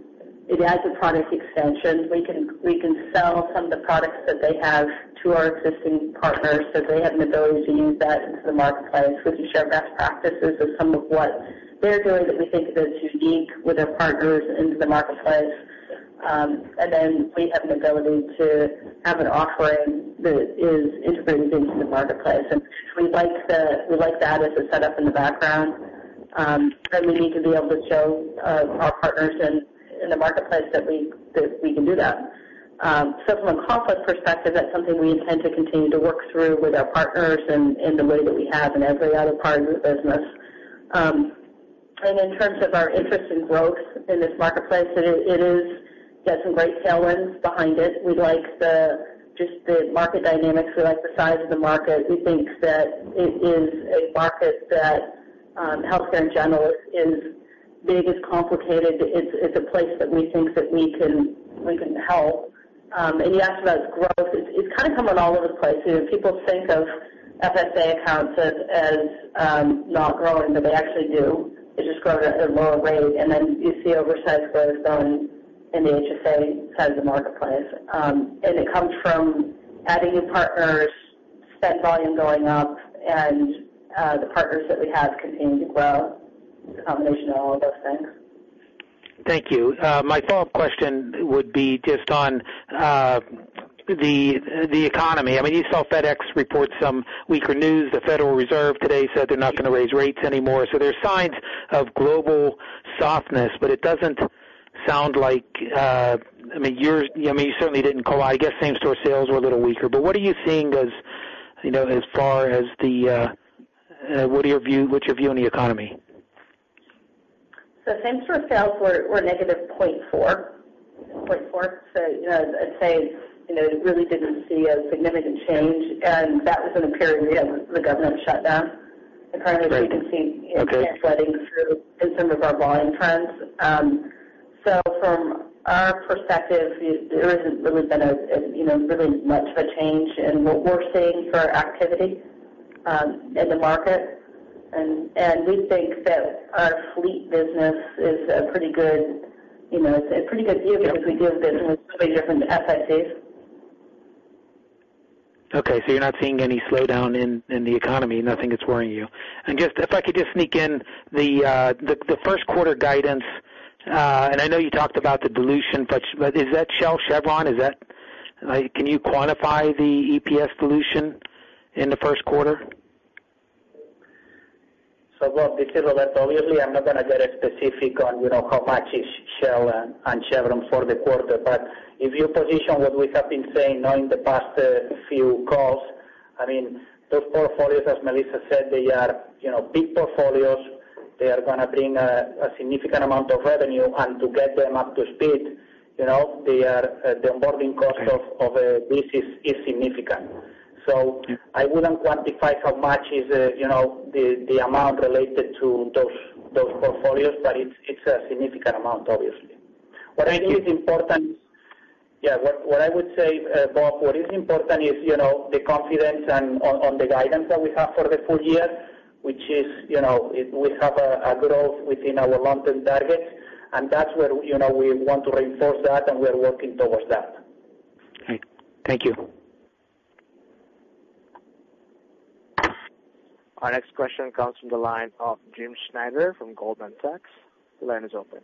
it adds a product extension. We can sell some of the products that they have to our existing partners so they have an ability to use that into the marketplace. We can share best practices of some of what they're doing that we think is unique with our partners into the marketplace. Then we have an ability to have an offering that is integrated into the marketplace. We like that as a setup in the background, and we need to be able to show our partners in the marketplace that we can do that. From a conflict perspective, that's something we intend to continue to work through with our partners in the way that we have in every other part of the business. In terms of our interest in growth in this marketplace, it has some great tailwinds behind it. We like just the market dynamics. We like the size of the market. We think that it is a market that, healthcare in general is big, it's complicated. It's a place that we think that we can help. You asked about growth. It's kind of coming all over the place. People think of FSA accounts as not growing, but they actually do. They just grow at a lower rate. Then you see oversized growth going in the HSA side of the marketplace. It comes from adding new partners, spend volume going up, and the partners that we have continuing to grow. It's a combination of all of those things. Thank you. My follow-up question would be just on the economy. You saw FedEx report some weaker news. The Federal Reserve today said they're not going to raise rates anymore. There's signs of global softness, but it doesn't sound like. You certainly didn't call out. I guess same-store sales were a little weaker. What's your view on the economy? Same-store sales were negative 0.4. I'd say, really didn't see a significant change. That was in a period we had the government shutdown. Right. Okay. Currently, we can see it sweating through in some of our volume trends. From our perspective, there hasn't really been much of a change in what we're seeing for our activity in the market. We think that our fleet business is a pretty good view because we view business completely different to FSAs. Okay, you're not seeing any slowdown in the economy, nothing that's worrying you. If I could just sneak in the first quarter guidance, I know you talked about the dilution, but is that Shell, Chevron? Can you quantify the EPS dilution in the first quarter? Bob, this is Roberto. Obviously, I'm not going to get specific on how much is Shell and Chevron for the quarter. If you position what we have been saying now in the past few calls, those portfolios, as Melissa said, they are big portfolios. They are going to bring a significant amount of revenue. To get them up to speed, the onboarding cost of this is significant. I wouldn't quantify how much is the amount related to those portfolios, but it's a significant amount, obviously. What I would say, Bob, what is important is the confidence on the guidance that we have for the full year, which is we have a growth within our long-term targets, and that's where we want to reinforce that, and we are working towards that. Okay. Thank you. Our next question comes from the line of Jim Schneider from Goldman Sachs. The line is open.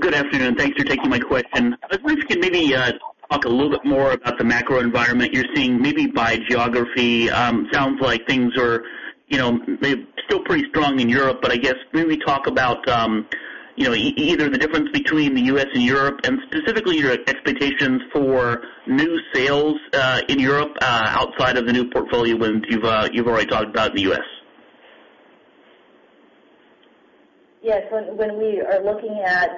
Good afternoon. Thanks for taking my question. I was wondering if you could maybe talk a little bit more about the macro environment you're seeing, maybe by geography. Sounds like things are still pretty strong in Europe. I guess maybe talk about either the difference between the U.S. and Europe and specifically your expectations for new sales in Europe outside of the new portfolio wins you've already talked about in the U.S. Yes. When we are looking at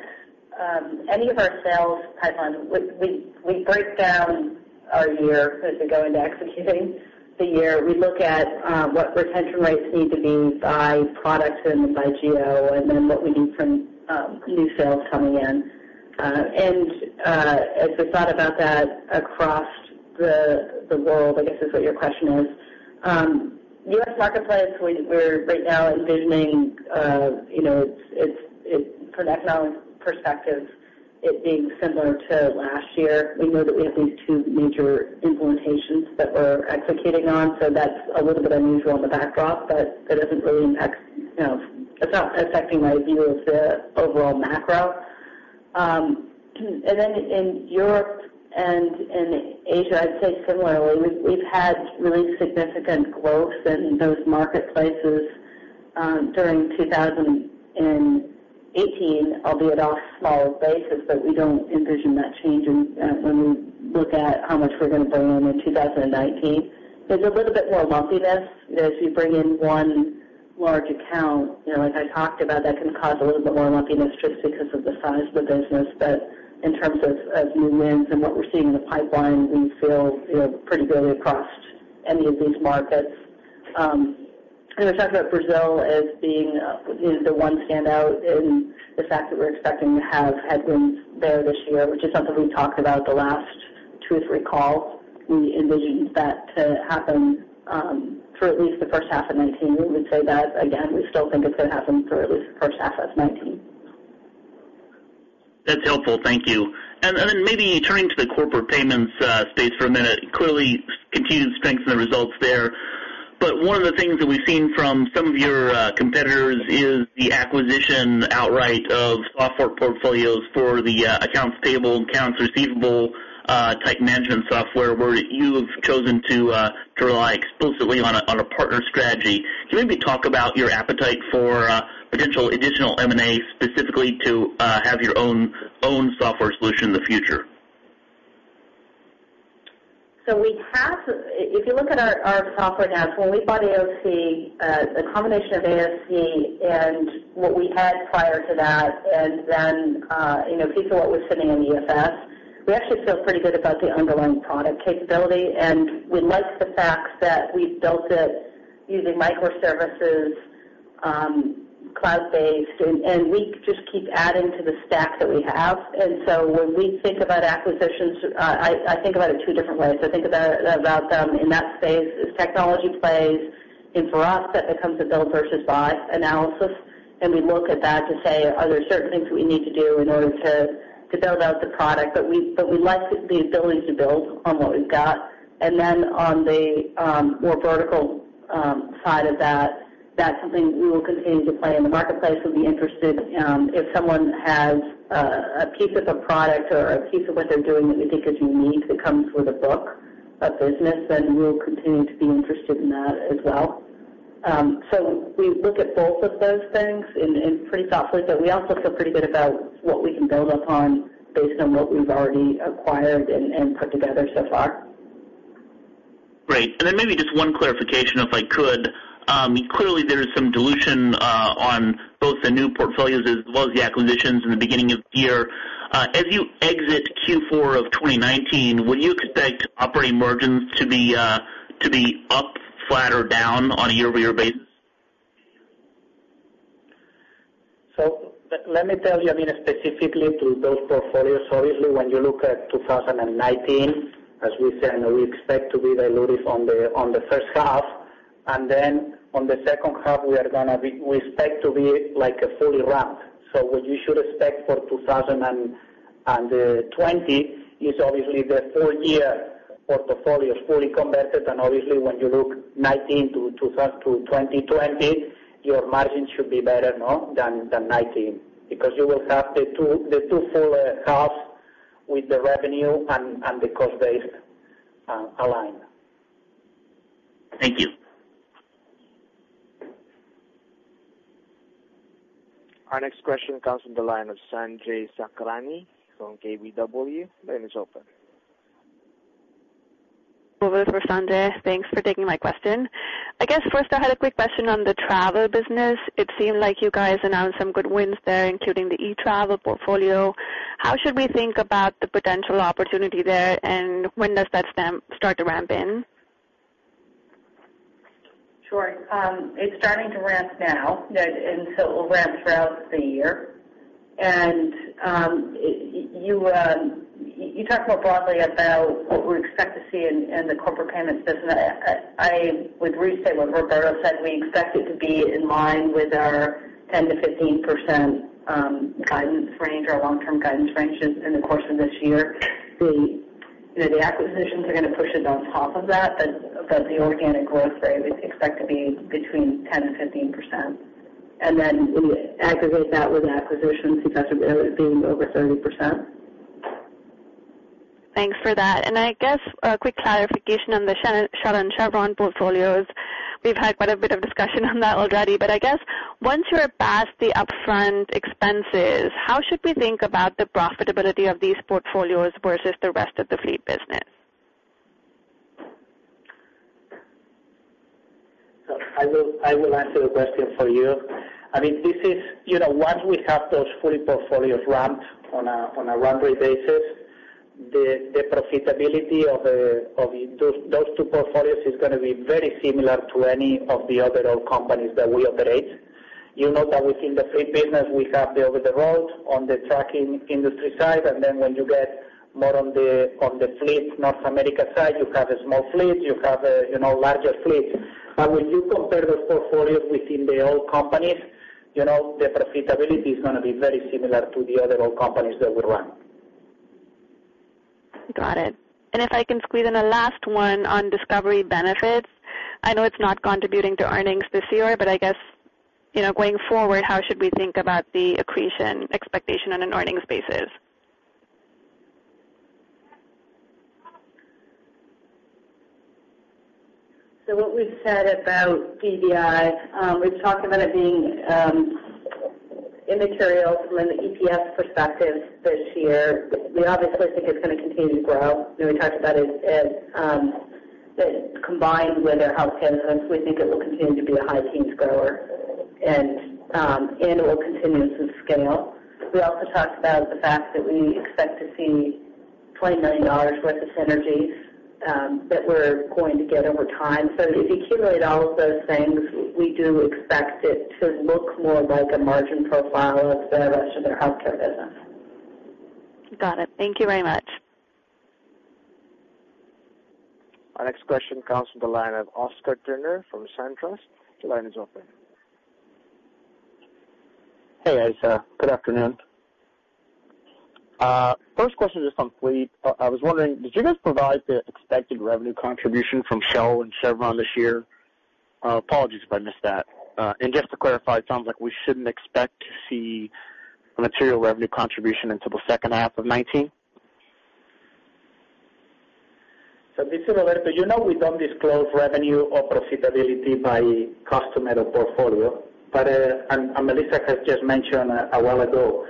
any of our sales pipeline, we break down our year as we go into executing the year. We look at what retention rates need to be by product and by geo. Then what we need from new sales coming in. As we thought about that across the world, I guess is what your question is. U.S. marketplace, we're right now envisioning, from an economic perspective, it being similar to last year. We know that we have these two major implementations that we're executing on. That's a little bit unusual in the backdrop, but it's not affecting my view of the overall macro. Then in Europe and in Asia, I'd say similarly. We've had really significant growth in those marketplaces during 2018, albeit off a smaller basis, but we don't envision that changing when we look at how much we're going to bring on in 2019. There's a little bit more lumpiness as you bring in one large account. Like I talked about, that can cause a little bit more lumpiness just because of the size of the business. In terms of new wins and what we're seeing in the pipeline, we feel pretty good across any of these markets. I'm going to talk about Brazil as being the one standout in the fact that we're expecting to have headwinds there this year, which is something we've talked about the last two or three calls. We envisioned that to happen for at least the first half of 2019. We'd say that again, we still think it's going to happen for at least the first half of 2019. That's helpful. Thank you. Maybe turning to the corporate payments space for a minute. Clearly, continued strength in the results there. One of the things that we've seen from some of your competitors is the acquisition outright of software portfolios for the accounts payable and accounts receivable-type management software, where you have chosen to rely explicitly on a partner strategy. Can you maybe talk about your appetite for potential additional M&A specifically to have your own software solution in the future? If you look at our software now, when we bought AOC, the combination of AOC and what we had prior to that, piece of what was sitting in EFS, we actually feel pretty good about the underlying product capability. We like the fact that we've built it using microservices, cloud-based, and we just keep adding to the stack that we have. When we think about acquisitions, I think about it two different ways. I think about them in that space as technology plays, and for us, that becomes a build versus buy analysis. We look at that to say, are there certain things that we need to do in order to build out the product? We like the ability to build on what we've got. On the more vertical side of that's something we will continue to play in the marketplace. We'll be interested if someone has a piece of a product or a piece of what they're doing that we think is unique that comes with a book of business, then we'll continue to be interested in that as well. We look at both of those things and pretty thoughtfully, but we also feel pretty good about what we can build upon based on what we've already acquired and put together so far. Great. Maybe just one clarification, if I could. Clearly, there is some dilution on both the new portfolios as well as the acquisitions in the beginning of the year. As you exit Q4 of 2019, would you expect operating margins to be up, flat, or down on a year-over-year basis? Let me tell you, I mean, specifically to those portfolios, obviously, when you look at 2019, as we said, we expect to be dilutive on the first half, and then on the second half, we expect to be like a fully ramped. What you should expect for 2020 is obviously the full year of portfolios fully combined. Obviously, when you look 2019 to 2020, your margin should be better, no, than 2019 because you will have the two full halves with the revenue and the cost base aligned. Thank you. Our next question comes from the line of Sanjay Sakhrani from KBW. The line is open. This is Sanjay. Thanks for taking my question. I guess first I had a quick question on the travel business. It seemed like you guys announced some good wins there, including the eTRAVELi portfolio. How should we think about the potential opportunity there, and when does that start to ramp in? Sure. It's starting to ramp now, it will ramp throughout the year. You talked more broadly about what we expect to see in the corporate payments business. I would restate what Roberto Simon said, we expect it to be in line with our 10%-15% guidance range, our long-term guidance range in the course of this year. The acquisitions are going to push it on top of that, but the organic growth rate we expect to be between 10% and 15%. When you aggregate that with acquisitions, we expect it being over 30%. Thanks for that. I guess a quick clarification on the Shell and Chevron portfolios. We've had quite a bit of discussion on that already, but I guess once you are past the upfront expenses, how should we think about the profitability of these portfolios versus the rest of the fleet business? I will answer the question for you. Once we have those fully portfolios ramped on a run rate basis, the profitability of those two portfolios is going to be very similar to any of the other oil companies that we operate. You know that within the fleet business, we have the over-the-road on the trucking industry side, then when you get more on the fleet North America side, you have a small fleet, you have larger fleets. When you compare those portfolios within the oil companies, the profitability is going to be very similar to the other oil companies that we run. Got it. If I can squeeze in a last one on Discovery Benefits. I know it's not contributing to earnings this year, but I guess, going forward, how should we think about the accretion expectation on an earnings basis? What we've said about DBI, we've talked about it being immaterial from an EPS perspective this year. We obviously think it is going to continue to grow. We talked about it as combined with our healthcare business, we think it will continue to be a high teens grower, and it will continue to scale. We also talked about the fact that we expect to see $20 million worth of synergies that we are going to get over time. If you accumulate all of those things, we do expect it to look more like a margin profile of the rest of their healthcare business. Got it. Thank you very much. Our next question comes from the line of Oscar Turner from SunTrust. Your line is open. Hey, guys. Good afternoon. First question is on fleet. I was wondering, did you guys provide the expected revenue contribution from Shell and Chevron this year? Apologies if I missed that. Just to clarify, it sounds like we should not expect to see a material revenue contribution until the second half of 2019? This is Roberto. You know we don't disclose revenue or profitability by customer or portfolio. Melissa has just mentioned a while ago,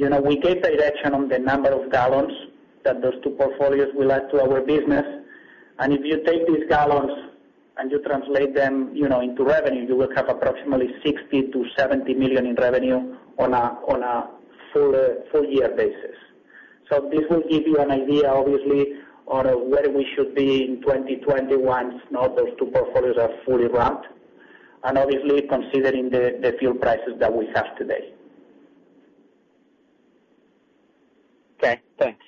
we gave direction on the number of gallons that those two portfolios will add to our business. If you take these gallons and you translate them into revenue, you will have approximately $60 million-$70 million in revenue on a full year basis. This will give you an idea, obviously, on where we should be in 2021 now those two portfolios are fully ramped, and obviously considering the fuel prices that we have today. Okay, thanks.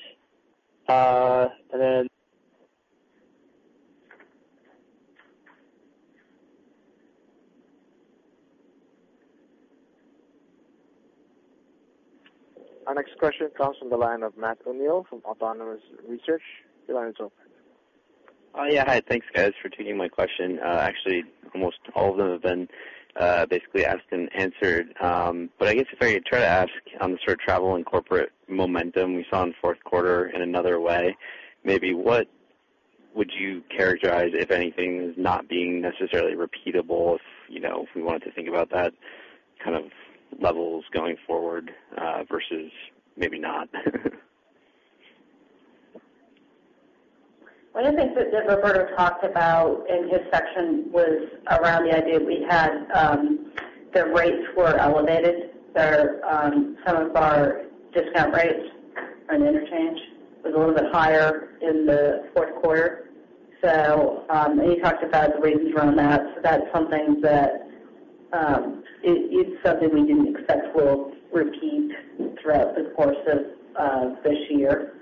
Our next question comes from the line of Matt O'Neill from Autonomous Research. Your line is open. Yeah. Hi, thanks, guys, for taking my question. Actually, almost all of them have been basically asked and answered. I guess if I could try to ask on the sort of travel and corporate momentum we saw in the fourth quarter in another way, maybe what would you characterize, if anything, as not being necessarily repeatable if we wanted to think about that kind of levels going forward, versus maybe not? One of the things that Roberto talked about in his section was around the idea that we had the rates were elevated. Some of our discount rates on interchange was a little bit higher in the fourth quarter. He talked about the reasons around that. That's something that we didn't expect will repeat throughout the course of this year.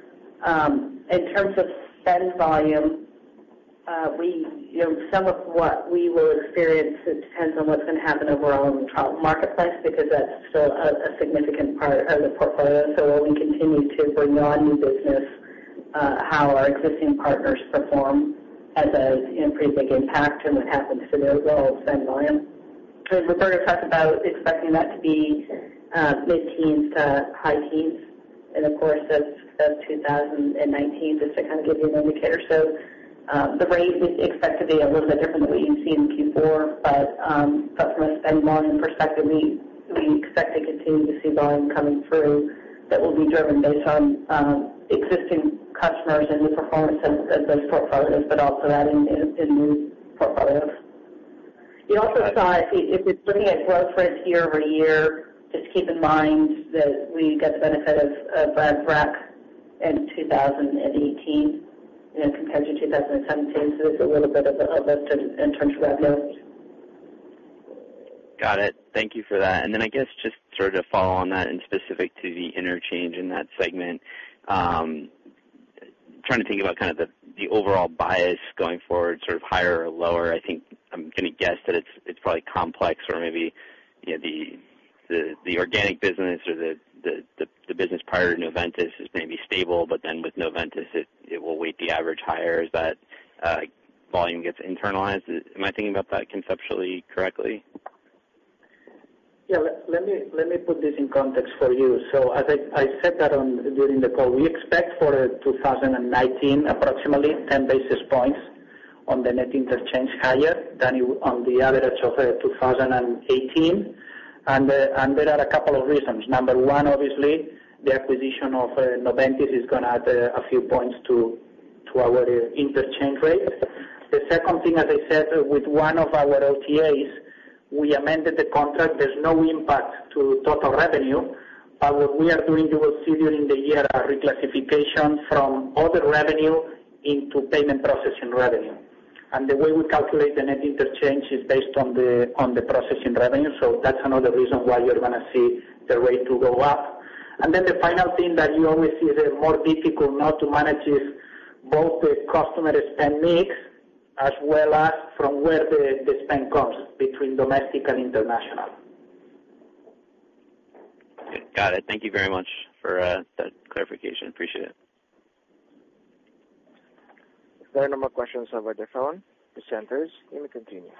In terms of spend volume, some of what we will experience depends on what's going to happen overall in the travel marketplace because that's still a significant part of the portfolio. While we continue to bring on new business, how our existing partners perform has a pretty big impact on what happens to the overall spend volume. As Roberto talked about expecting that to be mid-teens to high teens, and of course, that's 2019, just to kind of give you an indicator. The rate is expected to be a little bit different than what you've seen before, from a spend volume perspective, we expect to continue to see volume coming through that will be driven based on existing customers and the performance of those portfolios, but also adding in new portfolios. You also saw if you're looking at growth rates year-over-year, just keep in mind that we got the benefit of Brexit in 2018 compared to 2017. There's a little bit of a lift in terms of revenue. Got it. Thank you for that. I guess just sort of to follow on that and specific to the interchange in that segment, trying to think about the overall bias going forward, higher or lower. I think I'm going to guess that it's probably complex or maybe the organic business or the business prior to Noventis is maybe stable, but then with Noventis, it will weight the average higher as that volume gets internalized. Am I thinking about that conceptually correctly? Let me put this in context for you. As I said during the call, we expect for 2019 approximately 10 basis points on the net interchange higher than on the average of 2018. There are a couple of reasons. Number one, obviously, the acquisition of Noventis is going to add a few points to our interchange rates. The second thing, as I said, with one of our OTAs, we amended the contract. There's no impact to total revenue, but what we are doing, you will see during the year, a reclassification from other revenue into payment processing revenue. The way we calculate the net interchange is based on the processing revenue. That's another reason why you're going to see the rate to go up. The final thing that you always see is more difficult now to manage is both the customer spend mix as well as from where the spend comes between domestic and international. Got it. Thank you very much for that clarification. Appreciate it. If there are no more questions over the phone, presenters, you may continue.